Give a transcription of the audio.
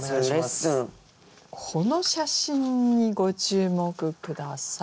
この写真にご注目下さい。